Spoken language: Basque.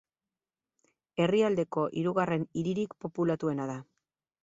Herrialdeko hirugarren hiririk populatuena da.